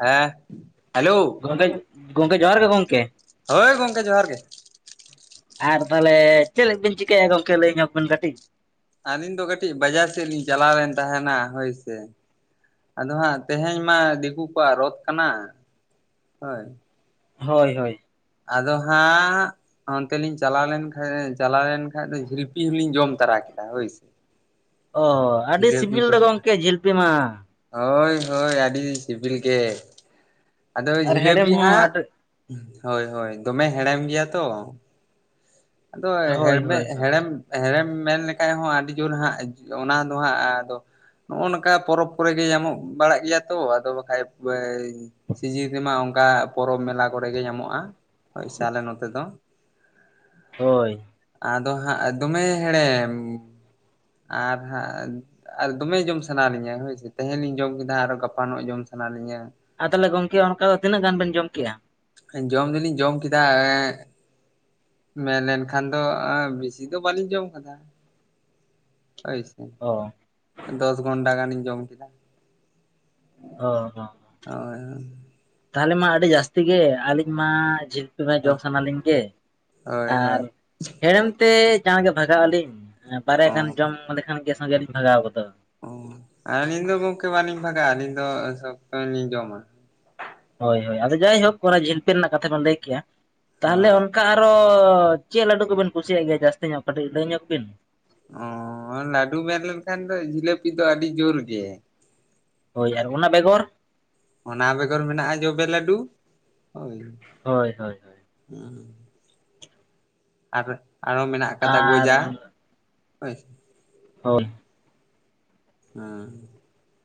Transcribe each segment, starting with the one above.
ᱦᱮᱸ ᱦᱮᱞᱳ ᱜᱚᱢᱠᱮ ᱜᱚᱝᱠᱮ ᱡᱚᱦᱟᱨ ᱜᱮ ᱜᱚᱝᱠᱮ ᱦᱳᱭ ᱜᱚᱝᱠᱮ ᱡᱚᱦᱟᱨ ᱜᱮ ᱟᱨ ᱛᱟᱦᱚᱞᱮ ᱪᱮᱫ ᱵᱤᱱ ᱪᱤᱠᱟᱹᱭᱮᱫᱼᱟ ᱜᱚᱝᱠᱮ ᱞᱟᱹᱭ ᱧᱚᱜ ᱵᱤᱱ ᱠᱟᱹᱴᱤᱡ ᱟᱹᱞᱤᱧ ᱫᱚ ᱠᱟᱹᱴᱤᱡ ᱵᱟᱡᱟᱨ ᱥᱮᱫ ᱞᱤᱧ ᱪᱟᱞᱟᱣ ᱞᱮᱱ ᱛᱟᱦᱮᱸᱱᱟ ᱦᱳᱭ ᱥᱮ ᱟᱫᱚ ᱦᱟᱸᱜ ᱛᱮᱦᱮᱧ ᱢᱟ ᱫᱤᱠᱩ ᱠᱚᱣᱟᱜ ᱨᱚᱛᱷ ᱠᱟᱱᱟ ᱦᱳᱭ ᱦᱳᱭ ᱦᱳᱭ ᱟᱫᱚ ᱦᱟᱸᱜ ᱚᱱᱛᱮ ᱞᱤᱧ ᱪᱟᱞᱟᱣ ᱞᱮᱱᱛᱷᱮ ᱪᱟᱞᱟᱣ ᱮᱱ ᱠᱷᱟᱡ ᱡᱷᱤᱞᱯᱤ ᱦᱚᱸᱞᱤᱧ ᱡᱚᱢ ᱛᱚᱨᱟ ᱠᱮᱫᱟ ᱦᱳᱭᱥᱮ [inaudible] ᱚ ᱟᱹᱰᱤ ᱥᱤᱵᱤᱞ ᱫᱚ ᱜᱚᱢᱠᱮ ᱡᱷᱤᱞᱯᱤ ᱢᱟ ᱦᱳᱭ ᱦᱳᱭ ᱟᱹᱰᱤ ᱥᱤᱵᱤᱞ ᱜᱮ ᱟᱫᱚ ᱟᱨ ᱦᱮᱲᱮᱢ ᱡᱷᱤᱞᱟᱹᱯᱤ ᱦᱚᱸ ᱦᱟᱸᱜ ᱟᱹᱰᱤ ᱦᱳᱭ ᱦᱳᱭ ᱫᱚᱢᱮ ᱦᱮᱲᱮᱢ ᱜᱮᱭᱟ ᱛᱚ ᱟᱫᱚ ᱦᱳᱭ ᱦᱮᱲᱵᱮᱜ ᱦᱳᱭ ᱦᱳᱭ ᱦᱮᱲᱮᱢ ᱦᱮᱸᱲᱮᱢ ᱢᱮᱱ ᱞᱮᱠᱷᱟᱡ ᱦᱚᱸ ᱟᱹᱰᱤ ᱡᱳᱨ ᱦᱟᱸᱜ ᱚᱱᱟ ᱫᱚ ᱦᱟᱸᱜ ᱟᱫᱚ ᱱᱚᱜᱼᱚ ᱱᱚᱝᱠᱟ ᱯᱚᱨᱚᱵᱽ ᱠᱚᱨᱮ ᱜᱮ ᱧᱟᱢᱚᱜ ᱵᱟᱲᱟᱜ ᱜᱮᱭᱟ ᱛᱚ ᱟᱫᱚ ᱵᱟᱠᱷᱟᱡ ᱮ ᱥᱤᱡᱤᱱ ᱨᱮᱢᱟ ᱚᱱᱠᱟ ᱯᱚᱨᱚᱵᱽ ᱢᱮᱞᱟ ᱠᱚᱨᱮ ᱜᱮ ᱧᱟᱢᱚᱜᱼᱟ ᱦᱳᱭ ᱥᱮ ᱟᱞᱮ ᱱᱚᱛᱮ ᱫᱚ ᱦᱳᱭ ᱟᱫᱚ ᱦᱟᱸᱜ ᱫᱚᱢᱮ ᱦᱮᱲᱮᱢ ᱟᱨ ᱦᱟᱸᱜ ᱟᱨ ᱫᱚᱢᱮ ᱡᱚᱢ ᱥᱟᱱᱟ ᱞᱤᱧᱟ ᱦᱳᱭᱥᱮ ᱛᱮᱦᱮᱧ ᱞᱤᱧ ᱡᱚᱢ ᱠᱮᱫᱟ ᱟᱨᱦᱚ ᱜᱟᱯᱟ ᱱᱚᱜ ᱡᱚᱢ ᱥᱟᱱᱟ ᱞᱤᱧᱟ ᱟᱨ ᱛᱟᱦᱚᱞᱮ ᱜᱚᱢᱠᱮ ᱚᱱᱠᱟ ᱛᱤᱱᱟᱹᱜ ᱜᱟᱱ ᱵᱮᱱ ᱡᱚᱢ ᱠᱮᱜᱼᱟ? ᱡᱚᱢ ᱫᱚᱞᱤᱧ ᱡᱚᱢ ᱠᱮᱫᱟ ᱢᱮᱱ ᱞᱮᱱᱠᱷᱟᱱ ᱫᱚ ᱵᱤᱥᱤ ᱫᱚ ᱵᱟᱹᱞᱤᱧ ᱡᱚᱢ ᱠᱟᱫᱟ ᱦᱳᱭ ᱥᱮ ᱚ ᱫᱚᱥ ᱜᱚᱱᱰᱟ ᱜᱟᱱᱤᱧ ᱡᱚᱢ ᱠᱮᱫᱟ ᱚ ᱦᱳᱭ ᱛᱟᱦᱚᱞᱮ ᱢᱟ ᱟᱹᱰᱤ ᱡᱟᱹᱥᱛᱤ ᱜᱮ ᱟᱹᱞᱤᱧ ᱢᱟ ᱩᱛᱩ ᱡᱚᱢ ᱥᱟᱱᱟ ᱞᱤᱧ ᱜᱮ ᱦᱳᱭ ᱟᱨ ᱦᱳᱭ ᱦᱮᱲᱮᱢ ᱛᱮ ᱡᱟᱦᱟᱸ ᱜᱮ ᱵᱷᱟᱜᱟᱜ ᱟᱹᱞᱤᱧ ᱦᱮᱸ ᱚ ᱵᱟᱨᱭᱟ ᱜᱟᱱ ᱡᱚᱢ ᱞᱮᱠᱷᱟᱱ ᱜᱮ ᱥᱚᱸᱜᱮ ᱞᱤᱧ ᱵᱷᱟᱜᱟᱣ ᱜᱚᱫᱚᱜᱼᱟ ᱚ ᱟᱹᱞᱤᱧ ᱫᱚ ᱜᱚᱢᱠᱮ ᱵᱟᱞᱤᱧ ᱵᱷᱟᱜᱟᱜᱼᱟ ᱟᱹᱞᱤᱧ ᱫᱚ ᱥᱚᱠᱛᱚ ᱞᱤᱧ ᱡᱚᱢᱟ ᱦᱳᱭ ᱦᱳᱭ ᱟᱫᱚ ᱡᱟᱭᱦᱳᱠ ᱚᱱᱟ ᱡᱤᱞᱯᱤᱞ ᱨᱮᱱᱟᱜ ᱠᱟᱛᱷᱟ ᱵᱚᱱ ᱞᱟᱹᱭ ᱠᱮᱜᱼᱟ ᱛᱟᱦᱚᱞᱮ ᱚᱱ ᱦᱳᱭ ᱚᱱᱠᱟ ᱟᱨᱚ ᱪᱮᱫ ᱞᱟᱹᱰᱩ ᱠᱚᱵᱤᱱ ᱠᱩᱥᱤᱭᱟᱜ ᱜᱮᱭᱟ ᱡᱟᱹᱥᱛᱤ ᱧᱚᱜ ᱠᱟᱹᱴᱤᱡ ᱞᱟᱹᱭ ᱧᱚᱜ ᱵᱤᱱ ᱚ ᱞᱟᱹᱰᱩ ᱢᱮᱱ ᱞᱮᱱᱠᱷᱟᱱ ᱫᱚ ᱡᱷᱤᱞᱟᱹᱯᱤ ᱫᱚ ᱟᱹᱰᱤ ᱡᱩᱨ ᱜᱮ ᱦᱳᱭ ᱟᱨ ᱚᱱᱟ ᱵᱮᱜᱚᱨ ᱚᱱᱟ ᱵᱮᱜᱚᱨ ᱢᱮᱱᱟᱜᱼᱟ ᱡᱚᱵᱮ ᱞᱟᱹᱰᱩ ᱦᱳᱭ ᱦᱳᱭ ᱦᱳᱭ ᱦᱳᱭ [inaudible] ᱟᱨ ᱟᱨᱦᱚ ᱢᱮᱱᱟᱜ ᱠᱟᱫᱟ ᱟᱨ ᱜᱚᱡᱟ ᱦᱚᱭ ᱦᱩᱸ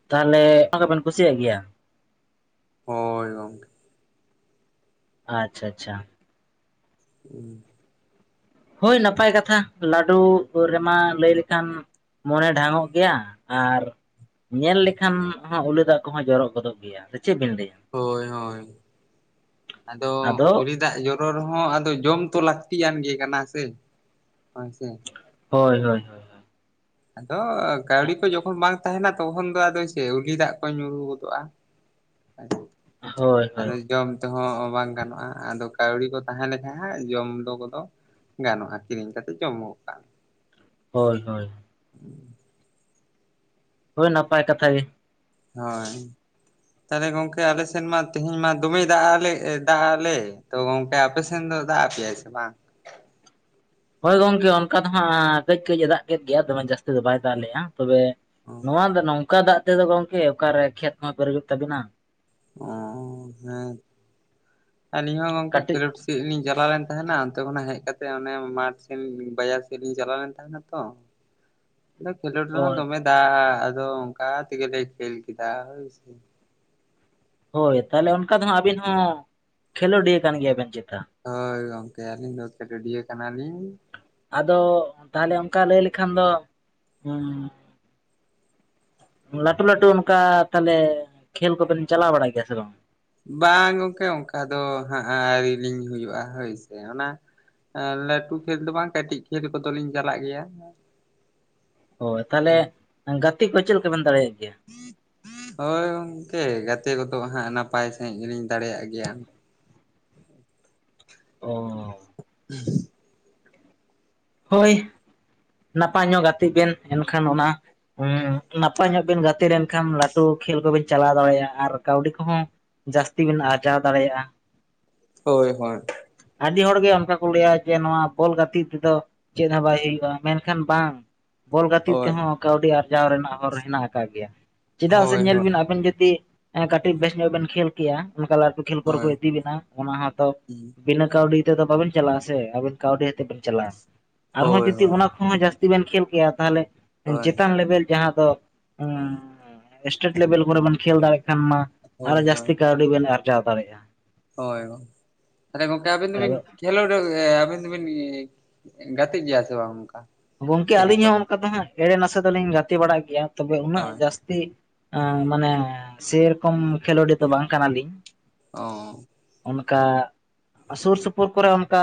ᱛᱟᱦᱚᱞᱮ ᱚᱱᱟ ᱠᱚᱵᱤᱱ ᱠᱩᱥᱤᱭᱟᱜ ᱜᱮᱭᱟ ᱦᱳᱭ ᱜᱚᱝᱠᱮ ᱟᱪᱪᱷᱟ ᱟᱪᱪᱷᱟ ᱦᱩᱸ ᱦᱳᱭ ᱱᱟᱯᱟᱭ ᱠᱟᱛᱷᱟ ᱞᱟᱹᱰᱩ ᱠᱚ ᱨᱮᱢᱟ ᱞᱟᱹᱭ ᱞᱮᱠᱷᱟᱱ ᱢᱚᱱᱮ ᱰᱷᱟᱝᱚᱜ ᱜᱮᱭᱟ ᱟᱨ ᱧᱮᱞ ᱞᱮᱠᱷᱟᱱ ᱦᱚᱸ ᱩᱞᱤ ᱫᱟᱜ ᱠᱚᱦᱚᱸ ᱡᱚᱨᱚ ᱜᱚᱫᱚᱜ ᱜᱮᱭᱟ ᱪᱮᱫ ᱵᱤᱱ ᱞᱟᱹᱭᱟ ᱦᱳᱭ ᱦᱳᱭ ᱟᱫᱚ ᱩᱞᱤ ᱫᱟᱜ ᱡᱚ ᱨᱚᱲ ᱨᱮᱦᱚᱸ ᱟᱫᱚ ᱡᱚᱢ ᱛᱚ ᱞᱟᱹᱠᱛᱤᱭᱟᱢ ᱜᱮ ᱠᱟᱱᱟ ᱥᱮ ᱦᱳᱭ ᱥᱮ ᱦᱳᱭ ᱦᱳᱭ ᱦᱳᱭ ᱟᱫᱚ ᱠᱟᱹᱣᱰᱤ ᱠᱚ ᱡᱚᱠᱷᱚᱱ ᱵᱟᱝ ᱛᱟᱦᱮᱸᱱᱟ ᱛᱚᱠᱷᱚᱱ ᱫᱚ ᱟᱫᱚ ᱪᱮᱫ ᱩᱞᱤ ᱫᱟᱜ ᱠᱚ ᱧᱩᱨᱩ ᱜᱚᱫᱚᱜᱼᱟ [inaudible] ᱦᱳᱭ ᱟᱫᱚ ᱦᱳᱭ ᱡᱚᱢ ᱛᱮᱦᱚᱸ ᱵᱟᱝ ᱜᱟᱱᱚᱜᱼᱟ ᱟᱫᱚ ᱠᱟᱹᱣᱰᱤ ᱠᱚ ᱛᱟᱦᱮᱸ ᱞᱮᱠᱷᱟᱱ ᱦᱟᱜ ᱡᱚᱢ ᱫᱚ ᱠᱚᱫᱚ ᱜᱟᱱᱚᱜᱼᱟ ᱠᱤᱨᱤᱧ ᱠᱟᱛᱮᱫ ᱡᱚᱢᱚᱜᱼᱟ᱾ ᱦᱳᱭ ᱦᱳᱭ ᱦᱳᱭ ᱱᱟᱯᱟᱭ ᱠᱟᱛᱷᱟ ᱜᱮ ᱦᱳᱭ ᱛᱟᱦᱚᱞᱮ ᱜᱚᱝᱠᱮ ᱟᱞᱮ ᱥᱮᱱ ᱢᱟ ᱛᱮᱦᱮᱧ ᱢᱟ ᱫᱚᱢᱮ ᱫᱟᱜ ᱟᱜ ᱞᱮ ᱫᱟᱜ ᱟᱜ ᱞᱮ ᱛᱚ ᱜᱚᱢᱠᱮ ᱟᱯᱮ ᱥᱮᱱ ᱫᱚ ᱫᱟᱜ ᱠᱮᱫ ᱟᱭ ᱥᱮ ᱵᱟᱝ ᱦᱳᱭ ᱜᱚᱢᱠᱮ ᱚᱱᱠᱟ ᱫᱚ ᱦᱟᱸᱜ ᱠᱟᱹᱡ ᱠᱟᱹᱡᱼᱮ ᱮᱫᱟᱜ ᱠᱮᱫ ᱜᱮᱭᱟ ᱫᱚᱢᱮ ᱡᱟᱹᱥᱛᱤ ᱵᱟᱭ ᱫᱟᱜ ᱞᱮᱜᱼᱟ ᱛᱚᱵᱮ ᱱᱚᱣᱟ ᱫᱚ ᱱᱚᱝᱠᱟ ᱫᱟᱜ ᱱᱚᱛᱮ ᱫᱚ ᱜᱚᱢᱠᱮ ᱚᱠᱟᱨᱮ ᱠᱷᱮᱛ ᱦᱚᱸ ᱯᱮᱨᱮᱡᱚᱜ ᱛᱟᱵᱤᱱᱟ ᱚ ᱦᱮᱸ ᱟᱹᱞᱤᱧ ᱦᱚᱸ ᱜᱚᱝᱠᱮ [inaudible] ᱠᱟ. ᱠᱟᱹᱴᱤᱡ ᱡ ᱞᱤᱧ ᱪᱟᱞᱟᱣ ᱞᱮᱱ ᱛᱟᱦᱮᱸᱱᱟ ᱚᱱᱛᱮ ᱠᱷᱚᱱᱟᱜ ᱦᱮᱡ ᱠᱟᱛᱮ ᱚᱱᱮ ᱢᱟᱴᱷ ᱥᱮᱱ ᱵᱟᱡᱟᱨ ᱥᱮᱫ ᱞᱤᱧ ᱪᱟᱞᱟᱣ ᱞᱮᱱ ᱛᱟᱦᱮᱸᱱᱟ ᱛᱚ [unintelligible] ᱟᱫᱚ ᱠᱷᱮᱞᱳᱰ ᱨᱮᱦᱚ ᱦᱳᱭ ᱫᱚᱢᱮ ᱫᱟᱜ ᱟᱫᱚ ᱚᱱᱠᱟ ᱛᱮᱜᱮᱞᱮ ᱠᱷᱮᱞ ᱠᱮᱫᱼᱟ ᱦᱳᱭ ᱥᱮ ᱦᱳᱭ ᱛᱟᱦᱚᱞᱮ ᱚᱱᱠᱟ ᱫᱚ ᱦᱟᱸᱜ ᱟᱵᱤᱱ ᱦᱚᱸ ᱠᱷᱮᱞᱳᱰᱤᱭᱟᱹ ᱠᱟᱱ ᱜᱮᱭᱟᱵᱤᱱ ᱪᱮᱛᱟ᱾ ᱦᱳᱭ ᱜᱚᱝᱠᱮ ᱟᱹᱞᱤᱧ ᱫᱚ ᱠᱷᱮᱞᱳᱰᱤᱭᱟᱹ ᱠᱟᱱᱟᱞᱤᱧ ᱟᱫᱚ ᱛᱟᱦᱚᱞᱮ ᱚᱱᱠᱟ ᱞᱟᱹᱭ ᱞᱮᱠᱷᱟᱱ ᱫᱚ ᱦᱩ ᱞᱟᱹᱴᱩ ᱞᱟᱹᱴᱩ ᱚᱱᱠᱟ ᱛᱟᱦᱚᱞᱮ ᱠᱷᱮᱞ ᱠᱚᱵᱮᱱ ᱪᱟᱞᱟᱣ ᱵᱟᱲᱟᱭ ᱜᱮᱭᱟ ᱥᱮ ᱵᱟᱝ ᱵᱟᱝ ᱜᱚᱝᱠᱮ ᱚᱱᱠᱟ ᱫᱚ ᱦᱟᱸᱜ ᱟᱹᱶᱨᱤᱞᱤᱧ ᱦᱩᱭᱩᱜᱼᱟ ᱦᱳᱭ ᱥᱮ ᱚᱱᱟ ᱮᱸ ᱞᱟᱹᱴᱩ ᱠᱷᱮᱞ ᱫᱚ ᱵᱟᱝ ᱠᱟᱹᱴᱤᱡ ᱠᱷᱮᱞ ᱠᱚᱫᱚᱞᱤᱧ ᱪᱟᱞᱟᱜ ᱜᱮᱭᱟ᱾ ᱦᱳᱭ ᱛᱟᱦᱟᱞᱮ ᱜᱟᱛᱮ ᱠᱚ ᱪᱮᱫ ᱞᱮᱠᱟᱵᱤᱱ ᱫᱟᱲᱮᱭᱟᱜ ᱜᱮᱭᱟ ᱦᱳᱭ ᱜᱚᱝᱠᱮ ᱜᱟᱛᱮ ᱠᱚᱫᱚ ᱦᱟᱸᱜ ᱱᱟᱯᱟᱭ ᱥᱟᱺᱦᱤᱡ ᱜᱮᱞᱤᱧ ᱫᱟᱲᱮᱭᱟᱜ ᱜᱮᱭᱟ ᱚ ᱦᱮᱸ [inaudible] ᱦᱳᱭ ᱱᱟᱯᱟᱭ ᱧᱚᱜ ᱜᱟᱛᱮᱜ ᱵᱮᱱ ᱮᱱᱠᱷᱟᱱ ᱚᱱᱟ ᱦᱮᱸ ᱱᱟᱯᱟᱭ ᱧᱚᱜ ᱵᱤᱱ ᱜᱟᱛᱮ ᱦᱚ ᱦᱩ ᱦᱚ ᱱᱟᱯᱟᱭ ᱧᱚᱜᱵᱤᱱ ᱜᱟᱛᱮ ᱞᱮᱱᱠᱷᱟᱱ ᱞᱟᱹᱴᱩ ᱠᱷᱮᱞ ᱠᱚᱵᱤᱱ ᱪᱟᱞᱟᱣ ᱫᱟᱲᱮᱭᱟᱜᱼᱟ ᱟᱨ ᱠᱟᱹᱣᱰᱤ ᱠᱚᱦᱚᱸ ᱡᱟᱹᱥᱛᱤ ᱵᱤᱱ ᱟᱨᱡᱟᱣ ᱫᱟᱲᱮᱭᱟᱜᱼᱟ ᱦᱳᱭ ᱦᱳᱭ ᱟᱹᱰᱤ ᱦᱚᱲᱜᱮ ᱚᱱᱠᱟ ᱠᱚ ᱞᱟᱹᱭᱟ ᱡᱮ ᱱᱚᱣᱟ ᱵᱚᱞ ᱜᱟᱛᱮᱜ ᱛᱮᱫᱚ ᱪᱮᱫ ᱦᱚᱸ ᱵᱟᱭ ᱦᱩᱭᱩᱜᱼᱟ ᱢᱮᱱᱠᱷᱟᱱ ᱵᱟᱝ ᱵᱚᱞ ᱜᱟᱛᱮᱜ ᱦᱳᱭ ᱛᱮᱦᱚᱸ ᱠᱟᱹᱣᱰᱤ ᱟᱨᱡᱟᱣ ᱨᱮᱱᱟᱜ ᱦᱚᱨ ᱦᱮᱱᱟᱜ ᱠᱟᱫ ᱜᱮᱭᱟ ᱪᱮᱫᱟᱜ ᱥᱮ ᱦᱳᱭ ᱧᱮᱞ ᱦᱳᱭ ᱵᱤᱱ ᱟᱵᱮᱱ ᱡᱩᱫᱤ ᱠᱟᱹᱴᱤᱡ ᱵᱮᱥ ᱧᱚᱜ ᱵᱮᱱ ᱠᱷᱮᱞ ᱠᱮᱭᱟ ᱚᱱᱠᱟ ᱞᱟᱴᱩ ᱠᱷᱮᱞ ᱵᱚᱨᱮ ᱠᱚ ᱦᱳᱭ ᱤᱫᱤ ᱵᱮᱱᱟ ᱚᱱᱟ ᱦᱚᱸᱛᱚ ᱵᱤᱱᱟᱹ ᱠᱟᱹᱣᱰᱤ ᱛᱮᱫᱚ ᱵᱟᱵᱮᱱ ᱪᱟᱞᱟᱜ ᱟᱥᱮ ᱟᱵᱤᱱᱟᱹᱠᱟᱣᱰᱤ ᱟᱛᱮᱫ ᱵᱤᱱ ᱪᱟᱞᱟᱜᱼᱟ ᱥᱮ ᱟᱨᱦᱚᱸ ᱦᱳᱭ ᱦᱳᱭ ᱡᱩᱫᱤ ᱚᱱᱟ ᱠᱷᱚᱱ ᱦᱚᱸ ᱡᱟᱹᱥᱛᱤ ᱡᱩᱫᱤ ᱵᱮᱱ ᱠᱷᱮᱞ ᱠᱮᱭᱟ, ᱛᱟᱦᱟᱞᱮ ᱦᱳᱭ ᱪᱮᱛᱟᱱ ᱞᱮᱵᱮᱞ ᱡᱟᱦᱟᱸ ᱫᱚ, ᱮᱴᱮᱴ ᱞᱮᱵᱮᱞ ᱠᱚᱨᱮ ᱵᱚᱱ ᱠᱷᱮᱞ ᱫᱟᱲᱮᱭᱟᱜ ᱠᱷᱟᱱ ᱢᱟ, ᱦᱳᱭ ᱟᱨᱦᱚ ᱦᱳᱭ ᱦᱳᱭ ᱡᱟᱹᱥᱛᱤ ᱠᱟᱹᱣᱰᱤ ᱵᱤᱱ ᱟᱨ ᱡᱟᱣ ᱫᱟᱲᱮᱜᱼᱟ ᱦᱳᱭ ᱢᱟᱱᱮ ᱜᱚᱢᱠᱮ ᱟᱵᱤᱱ ᱫᱚᱵᱤᱱ ᱟᱫᱚ ᱠᱷᱮᱞᱳᱰ ᱟᱵᱤᱱ ᱫᱚᱵᱤᱱ ᱜᱟᱛᱮᱜ ᱜᱮᱭᱟ ᱥᱮ ᱵᱟᱝ ᱱᱚᱝᱠᱟ ᱜᱚᱝᱠᱮ ᱟᱹᱞᱤᱧ ᱦᱚᱸ ᱚᱱᱠᱟ ᱫᱚ ᱦᱟᱸᱜ, ᱮᱲᱮ ᱱᱟᱥᱮ ᱫᱚᱞᱤᱧ ᱜᱟᱛᱮ ᱵᱟᱲᱟᱜ ᱜᱮᱭᱟ ᱛᱚᱵᱮ ᱩᱱᱟᱹᱜ ᱦᱳᱭ ᱡᱟᱹᱥᱛᱤ ᱢᱟᱱᱮ [inaudible] ᱥᱮᱨᱚᱠᱚᱢ ᱠᱷᱮᱞᱳᱰᱤ ᱫᱚ ᱵᱟᱝ ᱠᱟᱱᱟᱞᱤᱧ ᱚ ᱚᱱᱠᱟ ᱥᱩᱨ ᱥᱩᱯᱩᱨ ᱠᱚᱨᱮ ᱚᱱᱠᱟ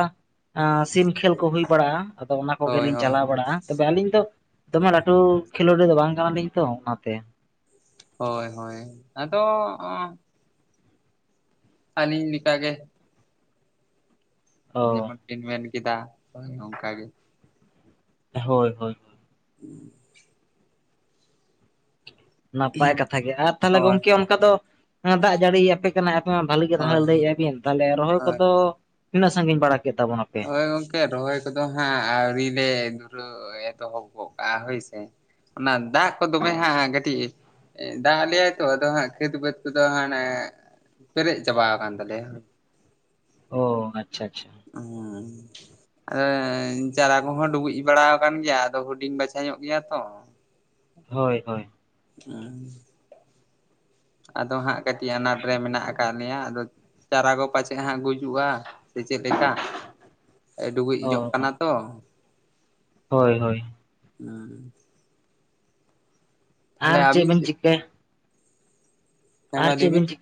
ᱥᱤᱢ ᱠᱷᱮᱞ ᱠᱚ ᱦᱩᱭ ᱵᱟᱲᱟᱜᱼᱟ ᱟᱫᱚ ᱚᱱᱟ ᱦᱳᱭ ᱠᱚᱜᱮᱞᱤᱧ ᱦᱳᱭ ᱪᱟᱞᱟᱣ ᱵᱟᱲᱟᱜᱼᱟ ᱛᱚᱵᱮ ᱟᱹᱞᱤᱧ ᱫᱚ ᱫᱚᱢᱮ ᱞᱟᱹᱴᱩ ᱠᱷᱮᱞᱳᱰᱤ ᱫᱚ ᱵᱟᱝ ᱠᱟᱱᱟᱞᱤᱧ ᱛᱚ ᱚᱱᱟᱛᱮ ᱦᱳᱭ ᱦᱳᱭ ᱟᱫᱚ, ᱟᱹᱞᱤᱧ ᱞᱮᱠᱟ ᱜᱮ ᱚ ᱡᱮᱢᱚᱱ ᱠᱤᱱ ᱢᱮᱱ ᱠᱮᱫᱟ ᱚᱱᱠᱟ ᱜᱮ ᱦᱳᱭ ᱦᱳᱭ ᱦᱩᱸ [inaudible] ᱱᱟᱯᱟᱭ ᱠᱟᱛᱷᱟ ᱜᱮ, ᱟᱨ ᱛᱟᱦᱚᱞᱮ ᱦᱳᱭ ᱜᱚᱝᱠᱮ ᱚᱱᱠᱟ ᱫᱚ ᱫᱟᱜ ᱡᱟᱹᱲᱤ ᱟᱯᱮ ᱟᱯᱮ ᱢᱟ ᱵᱷᱟᱹᱞᱤ ᱜᱮ, ᱦᱳᱭ ᱛᱟᱦᱚᱞᱮ ᱞᱟᱹᱭᱮᱫ ᱟᱵᱤᱱ ᱛᱟᱦᱚᱞᱮ ᱨᱚᱦᱚᱭ ᱦᱳᱭ ᱠᱚᱫᱚ ᱛᱤᱱᱟᱹᱜ ᱥᱟᱺᱜᱤᱧᱲᱟ ᱠᱮᱫ ᱛᱟᱵᱚᱱᱟ᱾ ᱦᱳᱭ ᱜᱚᱢᱠᱮ ᱨᱚᱦᱚᱭ ᱠᱚᱫᱚ ᱦᱟᱸᱜ ᱟᱹᱣᱨᱤ ᱞᱮ ᱫᱷᱩᱨᱟᱹ ᱮᱛᱚᱦᱚᱵ ᱜᱚᱜ ᱠᱟᱜᱼᱟ ᱦᱳᱭ ᱥᱮ ᱚᱱᱟ ᱫᱟᱜ ᱠᱚ ᱫᱚᱢᱮ ᱦᱟᱸᱜ ᱠᱟᱹᱴᱤᱡ ᱫᱟᱜ ᱟ ᱞᱮᱟᱭ ᱛᱚ ᱟᱫᱚ ᱦᱟᱸᱜ ᱠᱷᱟᱹᱮᱛ ᱵᱟᱹᱫᱽ ᱠᱚᱫᱚ ᱦᱟᱱᱮ ᱯᱮᱨᱮᱡ ᱪᱟᱵᱟ ᱟᱠᱟᱱ ᱛᱟᱞᱮᱭᱟ ᱚ ᱟᱪᱪᱷᱟ ᱟᱪᱪᱷᱟ ᱚ ᱟᱫᱚ ᱦᱮ ᱪᱟᱨᱟ ᱠᱚᱦᱚᱸ ᱰᱩᱵᱩᱡ ᱵᱟᱲᱟ ᱟᱠᱟᱱ ᱜᱮᱭᱟ, ᱟᱫᱚ ᱦᱩᱰᱤᱧ ᱵᱟᱪᱷᱟ ᱧᱚᱜ ᱜᱮᱭᱟ ᱛᱚ, [unintelligible] ᱦᱳᱭ ᱦᱳᱭ ᱩᱸ ᱟᱫᱚ ᱦᱟᱸᱜ ᱠᱟᱹᱴᱤᱡ ᱟᱱᱟᱴ ᱨᱮ ᱢᱮᱱᱟᱜ ᱟᱠᱟᱜ ᱞᱮᱭᱟ, ᱟᱫᱚ ᱪᱟᱨᱟ ᱠᱚ ᱯᱟᱪᱮᱜ ᱦᱟᱸᱜ ᱜᱩᱡᱩᱜᱼᱟ᱾ ᱥᱮ ᱪᱮᱫ ᱞᱮᱠᱟ ᱰᱩᱵᱩᱡ ᱚ ᱧᱚᱜ ᱠᱟᱱᱟ ᱛᱚ ᱾ ᱦᱳᱭ ᱦᱳᱭ ᱾ ᱦᱩᱸ ᱛᱟᱦᱞᱮ ᱟᱨ ᱪᱤ ᱟᱹᱵᱤᱱ ᱵᱮᱱ ᱥᱮᱫ ᱪᱤᱠᱟ ᱦᱮᱸ ᱟᱨ ᱢᱟ ᱪᱤ ᱞᱟᱹᱭ ᱵᱤᱱ ᱵᱮᱱ-ᱪᱤ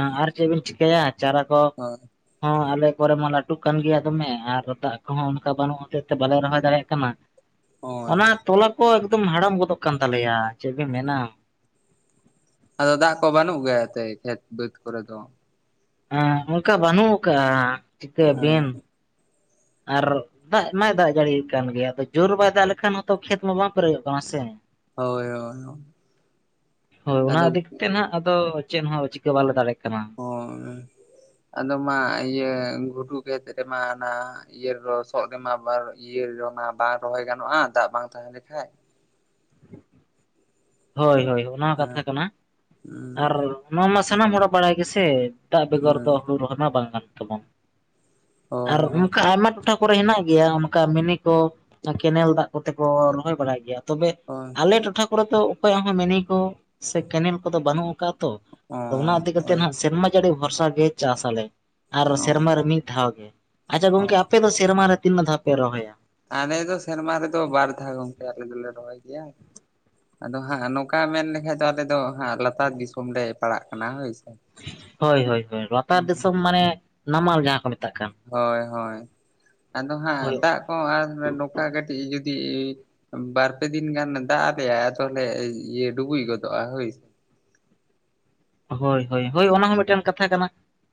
ᱟ-ᱟᱨ ᱪᱮᱜ ᱵᱤᱱ ᱪᱤᱠᱟᱹᱭᱟ ᱪᱟᱨᱟ ᱠᱚ? ᱦᱳᱭ ᱦᱚᱸ ᱟᱞᱮ ᱠᱚᱨᱮ ᱢᱟ ᱞᱟᱹᱴᱩᱜ ᱠᱟᱱ ᱜᱮᱭᱟ ᱫᱚᱢᱮ ᱟᱨ ᱫᱟᱜ ᱠᱚᱦᱚᱸ ᱚᱱᱠᱟ ᱵᱟᱹᱱᱩᱜᱚ ᱛᱮ ᱵᱟᱞᱮ ᱨᱚᱦᱚᱭ ᱫᱟᱲᱮᱭᱟᱜ ᱠᱟᱱᱟ ᱦᱳᱭ ᱚᱱᱟ ᱛᱚᱞᱟ ᱠᱚ ᱮᱠᱫᱚᱢ ᱦᱟᱲᱟᱢ ᱜᱚᱫᱚᱜ ᱠᱟᱱ ᱛᱟᱞᱮᱭᱟ ᱪᱮᱫ ᱯᱮ ᱢᱮᱱᱟ ᱟᱫᱚ ᱫᱟᱜ ᱠᱚ ᱵᱟᱹᱱᱩᱜ ᱜᱮᱭᱟ ᱮᱱᱛᱮ ᱠᱷᱮᱛ ᱵᱟᱹᱫᱽ ᱠᱚᱨᱮ ᱫᱚ ᱦᱮᱸ ᱚᱱᱠᱟ ᱵᱟᱹᱱᱩᱜ ᱠᱟᱜ ᱪᱤᱠᱟᱹᱵᱤᱱ ᱟᱨ ᱫᱟᱜ ᱮᱢᱟᱭ ᱫᱟᱜ ᱡᱟᱹᱲᱤᱭ ᱠᱟᱱ ᱜᱮᱭᱟ ᱟᱫᱚ ᱡᱳᱨ ᱵᱟᱭ ᱫᱟᱜ ᱞᱮᱠᱷᱟᱱ ᱦᱚᱸᱛᱚ ᱠᱷᱮᱛ ᱢᱟ ᱵᱟᱝ ᱯᱮᱨᱮᱡᱚᱜ ᱠᱟᱱᱟ ᱥᱮ ᱦᱳᱭ ᱦᱳᱭ ᱦᱳᱭ ᱚᱱᱟ ᱟᱫᱚ ᱤᱫᱤ ᱠᱟᱛᱮ ᱱᱟᱜ ᱟᱫᱚ ᱪᱮᱫ ᱦᱚᱸ ᱪᱤᱠᱟᱹ ᱵᱟᱞᱮ ᱫᱟᱲᱮᱜ ᱠᱟᱱᱟ ᱾ [unintelligible] ᱟᱫᱚ ᱢᱟ ᱤᱭᱟᱹ ᱜᱷᱩᱰᱩ ᱜᱮᱫ ᱨᱮᱢᱟ ᱚᱱᱟ ᱤᱭᱟᱹ ᱨᱚᱥᱚᱜ ᱨᱮᱢᱟ ᱵᱟᱨ ᱤᱭᱟᱹ ᱨᱚᱱᱟ ᱵᱟᱝ ᱨᱚᱦᱚᱭ ᱜᱟᱱᱚᱜᱼᱟ ᱫᱟᱜ ᱵᱟᱝ ᱛᱟᱦᱮᱸ ᱞᱮᱠᱷᱟᱡ ᱾ ᱦᱳᱭ ᱦᱳᱭ ᱚᱱᱟ ᱠᱟᱛᱷᱟ ᱦᱮᱸ ᱠᱟᱱᱟ, ᱟᱨ ᱦᱩᱸ ᱚᱱᱟ ᱢᱟ ᱥᱟᱱᱟᱢ ᱦᱚᱲᱟᱜ ᱵᱟᱲᱟᱭ ᱜᱮᱥᱮ ᱾ ᱫᱟᱜ ᱵᱮᱜᱚᱨ ᱫᱚ ᱦᱩᱲᱩ [unintelligible] ᱢᱟ ᱵᱟᱝ ᱜᱟᱱᱚᱜ ᱛᱟᱵᱚᱱ, ᱟᱨ ᱦᱳᱭ ᱦᱳᱭ ᱚᱱᱠᱟ ᱟᱭᱢᱟ ᱴᱚᱴᱷᱟ ᱠᱚᱨᱮ ᱦᱮᱱᱟᱜ ᱜᱮᱭᱟ ᱚᱱᱠᱟ ᱢᱤᱱᱤ ᱠᱚ ᱠᱮᱱᱮᱞ ᱫᱟᱜ ᱠᱚᱛᱮ ᱠᱚ ᱨᱚᱦᱚᱭ ᱵᱟᱲᱟᱭ ᱜᱮᱭᱟ ᱾ ᱛᱚᱵᱮ ᱚ ᱟᱞᱮ ᱴᱚᱴᱷᱟ ᱠᱚᱨᱮ ᱫᱚ ᱚᱠᱚᱭᱟᱜ ᱦᱚᱸ ᱢᱤᱱᱤ ᱠᱚ ᱥᱮ ᱠᱮᱱᱮᱞ ᱠᱚᱫᱚ ᱵᱟᱹᱱᱩᱜ ᱠᱟ ᱛᱚ ᱟᱫᱚ ᱚᱱᱟ ᱤᱫᱤ ᱠᱟᱛᱮᱜ ᱦᱳᱭ ᱦᱟᱸᱜ ᱥᱮᱨᱢᱟ ᱡᱟᱹᱲᱤ ᱵᱷᱚᱨᱥᱟ ᱜᱮ ᱪᱟᱥ ᱟᱞᱮ ᱾ ᱟᱨ ᱥᱮᱨᱢᱟ ᱚ ᱨᱮ ᱢᱤᱫ ᱫᱷᱟᱣ ᱜᱮ, ᱟᱪᱪᱷᱟ ᱜᱚᱝᱠᱮ ᱚ ᱟᱯᱮ ᱫᱚ ᱥᱮᱨᱢᱟ ᱨᱮ ᱛᱤᱱᱟᱹᱜ ᱫᱷᱟᱣ ᱯᱮ ᱨᱚᱦᱚᱭᱟ? ᱟᱞᱮ ᱫᱚ ᱥᱮᱨᱢᱟ ᱨᱮᱫᱚ ᱵᱟᱨ ᱫᱷᱟᱣ ᱜᱚᱢᱠᱮ ᱟᱞᱮ ᱫᱚᱞᱮ ᱨᱚᱦᱚᱭ ᱜᱮᱭᱟ ᱾ ᱟᱫᱚ ᱦᱟᱸᱜ ᱱᱚᱠᱟ ᱢᱮᱱ ᱞᱮᱠᱷᱟᱡ ᱫᱚ ᱟᱞᱮ ᱫᱚ ᱦᱟᱸᱜ ᱞᱟᱛᱟᱨ ᱫᱤᱥᱚᱢ ᱞᱮ ᱯᱟᱲᱟᱜ ᱠᱟᱱᱟ ᱦᱳᱭ ᱥᱮ ᱾ ᱦᱳᱭ ᱦᱳᱭ ᱦᱳᱭ ᱞᱟᱛᱟᱨ ᱫᱤᱥᱚᱢ ᱢᱟᱱᱮ ᱱᱟᱢᱟᱞ ᱡᱟᱦᱟᱸ ᱠᱚ ᱢᱮ ᱦᱳᱭ ᱦᱳᱭ ᱟᱫᱚ ᱦᱟᱸᱜ ᱦᱳᱭ ᱫᱟᱜ ᱠᱚ ᱟᱨ ᱱᱚᱠᱟ ᱠᱟᱹᱴᱤᱡ ᱡᱩᱫᱤ ᱵᱟᱨ-ᱯᱮ ᱫᱤᱱ ᱜᱟᱱ ᱫᱟᱜ ᱟᱞᱮᱭᱟ ᱟᱫᱚ ᱞᱮ ᱤᱭᱟᱹ ᱰᱩᱵᱩᱡ ᱜᱚᱫᱚᱜᱼᱟ ᱦᱳᱭ ᱥᱮ ᱾ ᱦᱳᱭ ᱦᱳᱭ ᱦᱳᱭ ᱚᱱᱟ ᱦᱚᱸ ᱢᱤᱫᱴᱮᱱ ᱠᱟᱛᱷᱟ ᱠᱟᱱᱟ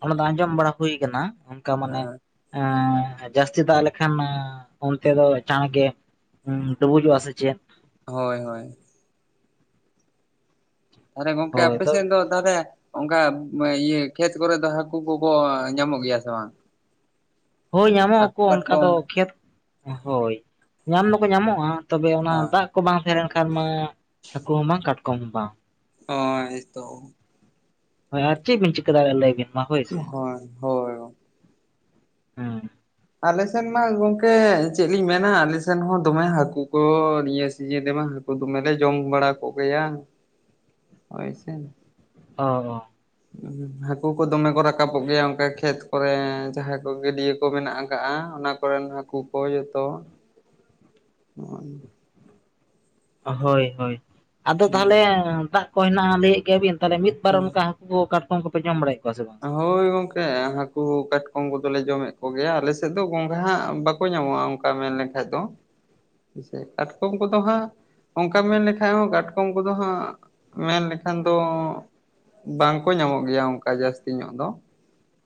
ᱚᱱᱟ ᱫᱚ ᱟᱸᱡᱚᱢ ᱵᱟᱲᱟ ᱦᱳᱭ ᱠᱟᱱᱟ ᱚᱱᱠᱟ ᱢᱟᱱᱮ ᱦᱮᱸ ᱮᱸ ᱡᱟᱹᱥᱛᱤ ᱫᱟᱜ ᱞᱮᱠᱷᱟᱱ ᱮᱸ ᱚᱱᱛᱮ ᱫᱚ ᱪᱟᱬ ᱜᱮ ᱦᱩᱸ ᱰᱩᱵᱩᱡᱚᱜᱼᱟ ᱥᱮ ᱪᱮᱫ? ᱦᱮᱸ-ᱦᱮᱸ ᱾ ᱟᱨ ᱜᱚᱝᱠᱮ ᱦᱳᱭ ᱟᱯᱮ ᱛᱚ ᱥᱮᱱ ᱫᱚ ᱛᱮᱨᱮ ᱚᱱᱠᱟ ᱤᱭᱟᱹ ᱠᱷᱮᱛ ᱠᱚᱨᱮ ᱫᱚ ᱦᱟᱹᱠᱩ ᱠᱚᱠᱚ ᱧᱟᱢᱚᱜ ᱜᱮᱭᱟ ᱥᱮ ᱵᱟᱝ? ᱦᱳᱭ ᱧᱟᱢᱚᱜ ᱦᱟᱹᱠᱩ ᱟᱠᱚ ᱚᱱᱠᱟ ᱠᱟᱴᱠᱚᱢ ᱫᱚ ᱠᱷᱮᱛ ᱦᱳᱭ ᱧᱟᱢ ᱫᱚᱠᱚ ᱧᱟᱢᱚᱜᱼᱟ ᱾ ᱛᱚᱵᱮ ᱚᱱᱟ ᱦᱮᱸ ᱫᱟᱜ ᱠᱚ ᱵᱟᱝ ᱛᱟᱦᱮᱸ ᱞᱮᱱᱠᱷᱟᱱ ᱢᱟ ᱦᱟᱹᱠᱩ ᱦᱚᱸ ᱵᱟᱝ ᱠᱟᱴᱠᱚᱢ ᱦᱚᱸ ᱵᱟᱝ ᱾ ᱚᱸ ᱮᱛᱚ ᱦᱳᱸ ᱟᱨ ᱪᱮᱜ ᱵᱮᱱ ᱪᱤᱠᱟᱹ ᱵᱟᱲᱟᱭᱟ ᱞᱟᱹᱭ ᱵᱤᱱ ᱢᱟ ᱦᱳᱭ ᱥᱮ? ᱦᱚᱝ ᱦᱳᱭ ᱾ ᱦᱩᱸ ᱾ ᱟᱞᱮ ᱥᱮᱱ ᱢᱟ ᱜᱚᱝᱠᱮ ᱪᱮᱫ ᱞᱤᱧ ᱢᱮᱱᱟ ᱟᱞᱮ ᱥᱮᱱ ᱦᱚᱸ ᱫᱚᱢᱮ ᱦᱟᱹᱠᱩ ᱠᱚ ᱱᱤᱭᱟᱹ ᱥᱤᱡᱤᱱ ᱨᱮᱢᱟ ᱦᱟᱹ ᱠᱩ ᱫᱚᱢᱮ ᱞᱮ ᱡᱚᱢ ᱵᱟᱲᱟ ᱠᱚᱜᱮᱭᱟ ᱦᱳᱭ ᱥᱮ ᱾ ᱚᱻ ᱦᱟᱹᱠᱩ ᱠᱚ ᱫᱚᱢᱮ ᱠᱚ ᱨᱟᱠᱟᱵᱚᱜ ᱜᱮᱭᱟ ᱚᱱᱠᱟ ᱠᱷᱮᱛ ᱠᱚᱨᱮ ᱩᱢ ᱡᱟᱦᱟᱸ ᱠᱚ ᱜᱟᱹᱰᱭᱟᱹ ᱠᱚ ᱢᱮᱱᱟᱜ ᱟᱠᱟᱜᱼᱟ ᱚᱱᱟ ᱠᱚ ᱠᱚᱨᱮᱱ ᱦᱟᱹᱠᱩ ᱠᱚ ᱡᱚᱛᱚ ᱾ ᱦᱳᱭ-ᱦᱳᱭ ᱟᱫᱚ ᱛᱟᱦᱚᱞᱮ ᱫᱟᱜ ᱠᱚ ᱦᱮᱱᱟᱜᱼᱟ ᱞᱟᱹᱭᱮᱜ ᱜᱮᱭᱟ ᱵᱤᱱ ᱛᱟᱦᱚᱞᱮ ᱢᱤᱫ ᱵᱟᱨ ᱚᱱᱠᱟ ᱡᱮ ᱠᱟᱴᱠᱚᱢ ᱠᱚᱯᱮ ᱡᱚᱢ ᱵᱟᱲᱟᱭᱮᱫ ᱠᱚᱣᱟ ᱥᱮ ᱵᱟᱝ? ᱦᱳᱭ ᱜᱚᱝᱠᱮ ᱟᱨ ᱦᱟᱹᱠᱩ ᱠᱟᱴᱠᱚᱢ ᱠᱚᱫᱚᱞᱮ ᱡᱚᱢᱮᱜ ᱠᱚ ᱜᱮᱭᱟ ᱟᱞᱮ ᱥᱮᱫ ᱫᱚ ᱜᱚᱸᱜᱷᱦᱟ ᱵᱟᱠᱚ ᱧᱟᱢᱚᱜᱼᱟ ᱾ ᱠᱟ ᱢᱮᱱ-ᱮᱠᱷᱟᱡ ᱫᱚ ᱦᱮᱥᱮ ᱠᱟᱴᱠᱚᱢ ᱠᱚᱫᱚ ᱦᱟᱸᱜ ᱚᱱᱠᱟ ᱢᱮᱱ ᱞᱮᱠᱷᱟᱡ ᱦᱚᱸ ᱠᱟᱴᱠᱚᱢ ᱠᱚᱫᱚ ᱦᱟᱸᱜ ᱢᱮᱱ ᱞᱮᱠᱷᱟᱱ ᱫᱚ ᱵᱟᱝ ᱠᱚ ᱧᱟᱢᱚᱜ ᱜᱮᱭᱟ ᱚᱱᱠᱟ ᱡᱟᱹᱥ ᱧᱚᱜ ᱫᱚ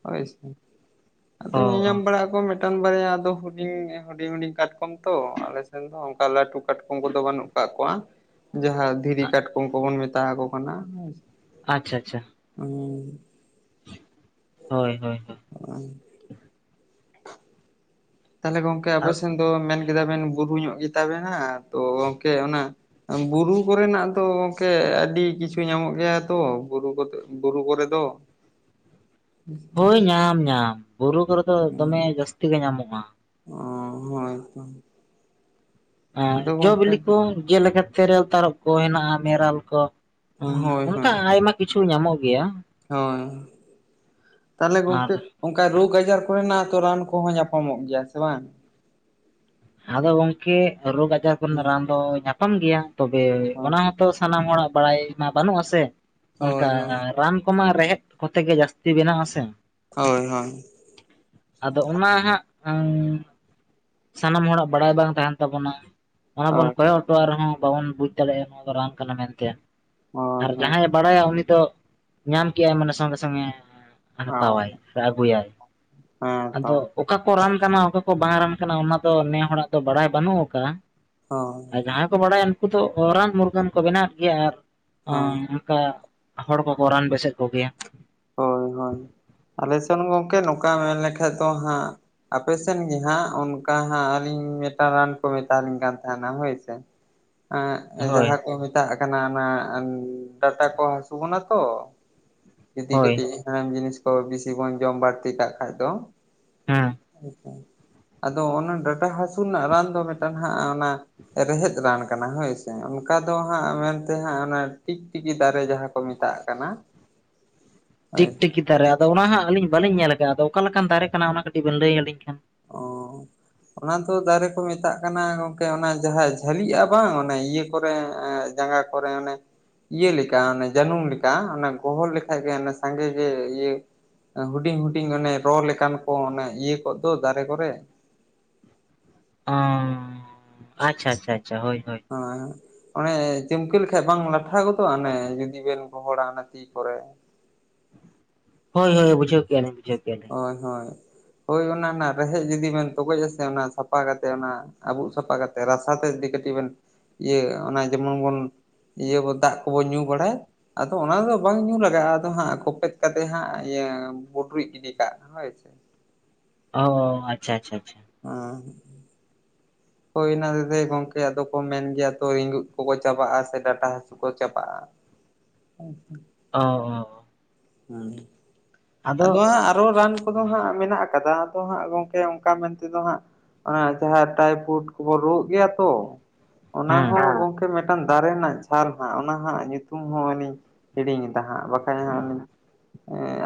ᱦᱳᱭ ᱥᱮ ᱟᱫᱚ ᱚ ᱚ ᱧᱮᱞ ᱵᱟᱲᱟᱜ ᱟᱠᱚ ᱵᱟᱹᱧ ᱵᱟᱨᱟᱭᱟ ᱟᱫᱚ ᱦᱩᱡᱩ ᱮ ᱦᱩᱰᱤᱧ ᱦᱩᱰᱤᱧ ᱠᱟᱴᱠᱚᱢ ᱛᱚ ᱟᱞᱮ ᱥᱮᱱ ᱫᱚ ᱚᱱᱠᱟ ᱞᱟᱴᱩ ᱠᱟᱴᱠᱚᱢ ᱠᱚᱫᱚ ᱵᱟᱹᱱᱩᱜ ᱠᱟᱜ ᱠᱚᱣᱟ ᱡᱟᱦᱟᱸ ᱫᱷᱤᱨᱤ ᱠᱟᱴᱠᱚᱢ ᱠᱚᱵᱚᱱ ᱢᱮᱛᱟ ᱦᱟᱠᱚ ᱠᱟᱱᱟ ᱟᱪᱪᱷᱟ ᱟᱪᱪᱷᱟ ᱦᱩᱸ ᱦᱳᱭ ᱦᱳᱭ ᱦᱳᱭ ᱾ [unintelligible] [unintelligible] ᱛᱟᱦᱚᱞᱮ ᱜᱚᱢᱠᱮ ᱟᱨ ᱟᱯᱮᱥᱮᱱ ᱫᱚ ᱢᱮᱱ ᱠᱮᱫᱟ ᱵᱮᱱ ᱵᱩᱨᱩ ᱧᱚᱜ ᱜᱮ ᱛᱟᱵᱮᱱᱟ ᱛᱚ ᱜᱚᱢᱠᱮ ᱚᱱᱟ ᱵᱩᱨᱩ ᱠᱚᱨᱮᱱᱟᱜ ᱫᱚ ᱜᱚᱝᱠᱮ ᱟᱹᱰᱤ ᱠᱤᱪᱷᱩ ᱧᱟᱢᱚᱜ ᱜᱮᱭᱟ ᱛᱚ ᱵᱩᱨᱩ ᱠᱚ ᱵᱩᱨᱩ ᱠᱚᱨᱮ ᱫᱚ ᱦᱳᱭ ᱧᱟᱢ ᱧᱟᱢ ᱵᱩᱨᱩ ᱠᱚᱨᱮ ᱫᱚ ᱫᱚᱢᱮ ᱡᱟᱹᱥᱛᱤ ᱜᱮ ᱧᱟᱢᱚᱜᱼᱟ ᱚᱻᱦᱳᱭ ᱛᱚ ᱟᱫᱚ ᱡᱚ ᱜᱚᱝᱠᱮ ᱵᱤᱞᱤ ᱠᱚ ᱡᱮᱞᱮᱠᱟ ᱛᱮᱨᱮᱞ ᱛᱟᱨᱚᱵ ᱠᱚ ᱦᱮᱱᱟᱜᱼᱟ ᱢᱮᱨᱟᱞ ᱠᱚ ᱦᱮᱸ ᱦᱳᱭ ᱚᱱᱠᱟ ᱦᱳᱭ ᱟᱭᱢᱟ ᱠᱤᱪᱷᱩ ᱧᱟᱢᱚᱜ ᱜᱮᱭᱟ ᱦᱳᱭ ᱛᱟᱦᱚᱞᱮ ᱟᱨ ᱜᱚᱢᱠᱮ ᱚᱱᱠᱟ ᱨᱳᱜᱽ ᱟᱡᱟᱨ ᱠᱚᱨᱮᱱᱟᱜ ᱛᱚ ᱨᱟᱱ ᱠᱚᱦᱚᱸ ᱧᱟᱯᱟᱢᱚᱜ ᱜᱮᱭᱟ ᱥᱮ ᱵᱟᱝ ᱟᱫᱚ ᱜᱚᱢᱠᱮ ᱨᱳᱜᱽ ᱟᱡᱟᱨ ᱠᱚᱨᱮᱱᱟᱜ ᱦᱩᱸ ᱨᱟᱱ ᱫᱚ ᱧᱟᱯᱟᱢ ᱜᱮᱭᱟ ᱛᱚᱵᱮ ᱦᱳᱭ ᱚᱱᱟ ᱦᱚᱸ ᱛᱚ ᱥᱟᱱᱟᱢ ᱦᱚᱲᱟᱜ ᱵᱟᱲᱟᱭ ᱢᱟ ᱵᱟᱹᱱᱩᱜ ᱟ ᱥᱮ ᱦᱳᱭ ᱚᱱᱠᱟ ᱦᱳᱭ ᱨᱟᱱ ᱠᱚᱢᱟ ᱨᱮᱸᱦᱮᱫ ᱠᱚᱛᱮ ᱜᱮ ᱡᱟᱹᱥᱛᱤ ᱵᱮᱱᱟᱜᱼᱟ ᱥᱮ ᱦᱳᱭ ᱦᱳᱭ ᱟᱫᱚ ᱚᱱᱟ ᱦᱟᱸᱜ ᱥᱟᱱᱟᱢ ᱦᱚᱲᱟᱜ ᱵᱟᱲᱟᱭ ᱵᱟᱝ ᱛᱟᱦᱮᱱ ᱛᱟᱵᱚᱱᱟ ᱚᱱᱟ ᱵᱚᱱ ᱦᱳᱭ ᱠᱚᱭᱚᱜ ᱛᱚ ᱟᱨᱦᱚᱸ ᱵᱟᱵᱚᱱ ᱵᱩᱡ ᱫᱟᱲᱮᱭᱟᱜᱼᱟ ᱱᱚᱣᱟ ᱫᱚ ᱨᱟᱱ ᱠᱟᱱᱟ ᱢᱮᱱᱛᱮ ᱦᱳᱭ ᱟᱨ ᱦᱳᱭ ᱡᱟᱦᱟᱸᱭᱮ ᱵᱟᱲᱟᱭᱟ ᱩᱱᱤ ᱫᱚ ᱧᱟᱢ ᱠᱮᱜᱼᱟᱭ ᱢᱟᱱᱮ ᱥᱚᱝᱜᱮ ᱥᱚᱝᱜᱮ ᱦᱳᱭ ᱦᱟᱛᱟᱣᱟᱭ ᱥᱮ ᱟᱹᱜᱩᱭᱟᱭ ᱦᱮᱸ ᱛᱚ ᱟᱫᱚ ᱚᱠᱟ ᱠᱚ ᱨᱟᱱ ᱠᱟᱱᱟ ᱚᱠᱟ ᱠᱚ ᱵᱟᱝ ᱨᱟᱱ ᱠᱟᱱᱟ ᱚᱱᱟ ᱛᱚ ᱱᱮ ᱦᱚᱲᱟᱜ ᱫᱚ ᱵᱟᱲᱟᱭ ᱵᱟᱹᱱᱩᱜ ᱟᱠᱟᱫᱼᱟ ᱦᱳᱭ ᱟᱨ ᱡᱟᱦᱟᱸᱭ ᱠᱚ ᱵᱟᱲᱟᱭᱟ ᱩᱱᱠᱩ ᱫᱚ ᱨᱟᱱ ᱢᱩᱨᱜᱟᱹᱱ ᱠᱚ ᱵᱮᱱᱟᱣᱮᱫ ᱜᱮᱭᱟ ᱟᱨ ᱦᱳᱭ ᱚᱱᱠᱟ ᱦᱚᱲ ᱠᱚᱠᱚ ᱨᱟᱱ ᱵᱮᱥᱮᱫ ᱠᱚᱜᱮᱭᱟ ᱦᱳᱭ ᱦᱳᱭ ᱟᱞᱮ ᱥᱮᱱ ᱜᱚᱢᱠᱮ ᱱᱚᱝᱠᱟ ᱢᱮᱱ ᱞᱮᱠᱷᱟ ᱫᱚ ᱦᱟᱸᱜ ᱯᱮᱥᱮᱱ ᱜᱮ ᱦᱟᱸᱜ ᱚᱱᱠᱟ ᱦᱟᱸᱜ ᱟᱹᱞᱤᱧ ᱢᱤᱫᱴᱟᱝ ᱨᱟᱱ ᱠᱚ ᱢᱮᱛᱟᱞᱤᱧ ᱠᱟᱱ ᱛᱟᱦᱮᱱᱟ ᱦᱳᱭ ᱥᱮ [unintelligible] ᱮᱸ ᱦᱳᱭ ᱡᱟᱦᱟᱸ ᱠᱚ ᱢᱮᱛᱟᱜ ᱠᱟᱱᱟ ᱚᱱᱟ ᱰᱟᱴᱟ ᱠᱚ ᱦᱟᱹᱥᱩ ᱵᱚᱱᱟ ᱛᱚ ᱡᱩᱫᱤ ᱦᱳᱭ ᱠᱟᱹᱴᱤᱡ ᱦᱮᱲᱮᱢ ᱡᱤᱱᱤᱥ ᱠᱚ ᱵᱤᱥᱤ ᱵᱚᱱ ᱡᱚᱢ ᱵᱟᱹᱲᱛᱤ ᱠᱟᱜ ᱠᱷᱟᱜ ᱫᱚ ᱦᱮᱸ ᱟᱫᱚ ᱚᱱᱟ ᱰᱟᱴᱟ ᱦᱟᱹᱥᱩ ᱨᱮᱱᱟᱜ ᱨᱟᱱ ᱫᱚ ᱢᱤᱫᱴᱟᱝ ᱦᱟᱸᱜ ᱚᱱᱟ ᱨᱮᱦᱮᱫ ᱨᱟᱱ ᱠᱟᱱᱟ ᱦᱳᱭᱥᱮ ᱚᱱᱠᱟ ᱫᱚ ᱦᱟᱸᱜ ᱢᱮᱱᱛᱮ ᱦᱟᱸᱜ ᱚᱱᱟ ᱴᱤᱠᱴᱤᱠᱤ ᱫᱟᱨᱮ ᱡᱟᱦᱟᱸ ᱠᱚ ᱢᱮᱛᱟᱜ ᱠᱟᱱᱟ ᱴᱤᱠ ᱦᱳᱭ ᱴᱤᱠᱤ ᱫᱟᱨᱮ ᱟᱫᱚ ᱚᱱᱟ ᱦᱟᱸᱜ ᱟᱹᱞᱤᱧ ᱵᱟᱹᱞᱤᱧ ᱧᱮᱞ ᱟᱠᱟᱫᱼᱟ ᱟᱫᱚ ᱚᱠᱟ ᱞᱮᱠᱟᱱ ᱫᱟᱨᱮ ᱠᱟᱱᱟ ᱚᱱᱟ ᱠᱟᱹᱴᱤᱡ ᱵᱮᱱ ᱞᱟᱹᱭ ᱟᱹᱞᱤᱧ ᱠᱷᱟᱱ ᱚ ᱚᱱᱟ ᱫᱚ ᱫᱟᱨᱮ ᱠᱚ ᱢᱮᱛᱟᱜ ᱠᱟᱱᱟ ᱜᱚᱝᱠᱮ ᱚᱱᱟ ᱡᱟᱦᱟᱸ ᱡᱷᱟᱹᱞᱤᱜᱼᱟ ᱵᱟᱝ ᱚᱱᱮ ᱤᱭᱟᱹ ᱠᱚᱨᱮ ᱡᱟᱸᱜᱟ ᱯᱚᱨᱮ ᱚᱱᱮ ᱤᱭᱟᱹ ᱞᱮᱠᱟ ᱚᱱᱮ ᱡᱟᱹᱱᱩᱢ ᱞᱮᱠᱟ ᱚᱱᱮ ᱜᱚᱦᱚᱲ ᱞᱮᱠᱷᱟᱡ ᱜᱮ ᱚᱱᱮ ᱥᱟᱸᱜᱮ ᱜᱮ ᱤᱭᱟᱹ ᱦᱩᱰᱤᱧ ᱦᱩᱰᱤᱧ ᱚᱱᱮ ᱨᱚ ᱞᱮᱠᱟᱱ ᱠᱚ ᱚᱱᱮ ᱤᱭᱟᱹ ᱠᱚᱜ ᱫᱚ ᱫᱟᱨᱮ ᱠᱚᱨᱮ ᱚ ᱟᱪᱪᱷᱟ ᱟᱪᱪᱷᱟ ᱟᱪᱪᱷᱟ ᱦᱳᱭ ᱦᱳᱭ ᱦᱮᱸ ᱚᱱᱮ ᱪᱤᱢᱠᱟᱹ ᱞᱮᱠᱷᱟᱡ ᱵᱟᱝ ᱞᱟᱴᱷᱟ ᱜᱚᱫᱚᱜᱼᱟ ᱚᱱᱮ ᱡᱩᱫᱤ ᱵᱮᱱ ᱯᱚᱦᱚᱲᱟ ᱚᱱᱟ ᱛᱤ ᱠᱚᱨᱮ ᱦᱳᱭ ᱦᱳᱭ ᱵᱩᱡᱟᱹᱣ ᱠᱮᱫᱼᱟ ᱞᱤᱧ ᱵᱩᱡᱟᱹᱣ ᱠᱮᱫᱼᱟ ᱞᱤᱧ ᱦᱳᱭ ᱦᱳᱭ ᱦᱳᱭ ᱚᱱᱟ ᱚᱱᱟ ᱨᱮᱦᱮᱫ ᱡᱩᱫᱤ ᱵᱮᱱ ᱛᱚᱜᱚᱡ ᱟᱥᱮ ᱚᱱᱟ ᱥᱟᱯᱷᱟ ᱠᱟᱛᱮ ᱚᱱᱟ ᱟᱵᱩᱜ ᱥᱟᱯᱷᱟ ᱠᱟᱛᱮᱫ ᱨᱟᱥᱟ ᱛᱮ ᱡᱩᱫᱤ ᱠᱟᱹᱴᱤᱡ ᱵᱤᱱ ᱤᱭᱟᱹ ᱚᱱᱟ ᱡᱮᱢᱚᱱ ᱵᱚᱱ ᱤᱭᱟᱹ ᱠᱚ ᱫᱟᱜ ᱠᱚᱵᱚ ᱧᱩ ᱵᱟᱲᱟᱭ᱾ ᱟᱫᱚ ᱚᱱᱟ ᱫᱚ ᱵᱟᱝ ᱧᱩ ᱞᱟᱜᱟᱜᱼᱟ ᱟᱫᱚ ᱦᱟᱸᱜ ᱠᱚᱯᱮᱫ ᱠᱟᱛᱮ ᱦᱟᱸᱜ ᱤᱭᱟᱹ ᱵᱩᱰᱨᱩᱡ ᱜᱤᱰᱤ᱾ [unintelligible] ᱚ ᱟᱪᱪᱷᱟ ᱟᱪᱪᱷᱟ ᱟᱪᱪᱷᱟ ᱚᱸ ᱦᱳᱭ ᱚᱱᱟ ᱦᱮᱛᱮᱫ ᱛᱮᱜᱮ ᱜᱚᱝᱠᱮ ᱟᱫᱚ ᱠᱚ ᱢᱮᱱ ᱜᱮᱭᱟ ᱛᱚ ᱨᱤᱜᱩᱱᱫ ᱠᱚᱠᱚ ᱪᱟᱵᱟᱜᱼᱟ ᱥᱮ ᱰᱟᱴᱟ ᱦᱟᱹᱥᱩ ᱠᱚ ᱪᱟᱵᱟᱜᱼᱟ ᱟᱪᱪᱷᱟ ᱚ ᱚ ᱦᱩᱸ ᱟᱫᱚ ᱦᱟᱸᱜ ᱟᱨᱚ ᱨᱟᱱ ᱠᱚᱫᱚ ᱦᱟᱸᱜ ᱢᱮᱱᱟᱜ ᱠᱟᱫᱟ ᱟᱫᱚ ᱦᱟᱸᱜ ᱜᱚᱢᱠᱮ ᱚᱱᱠᱟ ᱢᱮᱱ ᱛᱮᱫᱚ ᱦᱟᱸᱜ ᱟᱨ ᱡᱟᱦᱟᱸ ᱴᱟᱭᱯᱷᱩᱰ ᱠᱚᱵᱚᱱ ᱨᱩᱣᱟᱹᱜ ᱜᱮᱭᱟ ᱛᱚ ᱚᱱᱟ ᱦᱮᱸ ᱦᱚᱸ ᱜᱚᱢᱠᱮ ᱢᱤᱫᱴᱟᱝ ᱫᱟᱨᱮ ᱨᱮᱱᱟᱜ ᱪᱷᱟᱞ ᱦᱟᱸᱜ ᱚᱱᱟ ᱦᱟᱸᱜ ᱧᱩᱛᱩᱢ ᱦᱚᱸ ᱦᱟᱜ ᱞᱤᱧ ᱦᱤᱲᱤᱧ ᱮᱫᱟ ᱦᱟᱸᱜ ᱵᱟᱠᱷᱟᱡ ᱦᱟᱸᱜ ᱦᱮᱸ ᱟᱫ